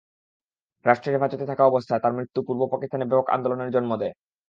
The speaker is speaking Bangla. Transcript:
রাষ্ট্রের হেফাজতে থাকা অবস্থায় তাঁর মৃত্যু পূর্ব পাকিস্তানে ব্যাপক আন্দোলনের জন্ম দেয়।